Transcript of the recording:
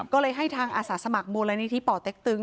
ก็เลยให้ทางอาสาสมัครมูลนิธิป่อเต็กตึง